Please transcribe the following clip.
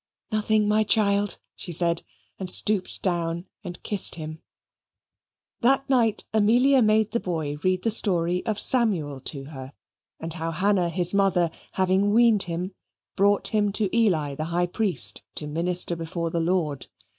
"Nothing, my child," she said and stooped down and kissed him. That night Amelia made the boy read the story of Samuel to her, and how Hannah, his mother, having weaned him, brought him to Eli the High Priest to minister before the Lord.